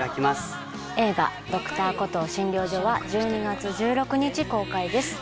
映画『Ｄｒ．コトー診療所』は１２月１６日公開です。